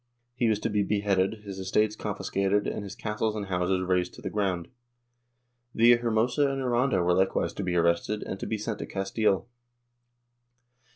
He was to be beheaded, his estates confiscated and his castles and houses razed to the ground. Villahermosa and Aranda were likewise to be arrested and to be sent to Castile.